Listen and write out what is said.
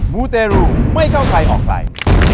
มูเตรูไม่เข้าใครออกใคร